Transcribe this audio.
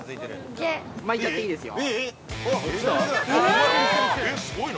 ◆巻いちゃっていいですよ。